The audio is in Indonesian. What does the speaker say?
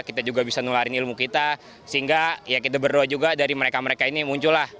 kita juga bisa nularin ilmu kita sehingga ya kita berdoa juga dari mereka mereka ini muncul lah